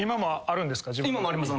今もあります。